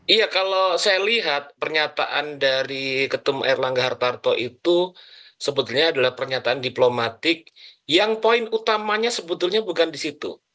iya kalau saya lihat pernyataan dari ketum erlangga hartarto itu sebetulnya adalah pernyataan diplomatik yang poin utamanya sebetulnya bukan di situ